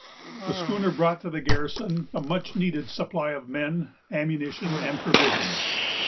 The schooner brought to the garrison a much needed supply of men, ammunition, and provisions.